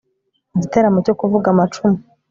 igitaramo cyo kuvuga amacumu